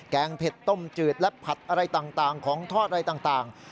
งเผ็ดต้มจืดและผัดอะไรต่างของทอดอะไรต่าง